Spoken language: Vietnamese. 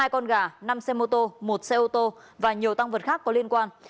hai con gà năm xe mô tô một xe ô tô và nhiều tăng vật khác có liên quan